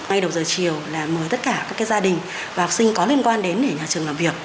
ngay đầu giờ chiều là mời tất cả các gia đình và học sinh có liên quan đến để nhà trường làm việc